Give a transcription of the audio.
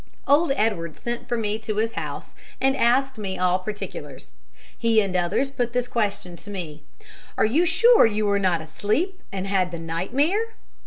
Old Edward sent for me to his house and asked me all particulars. He and others put this question to me: "Are you sure you were not asleep and had the nightmare?"